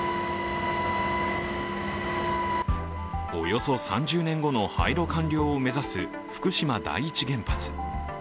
およそ３０年後の廃炉完了を目指す福島第一原発。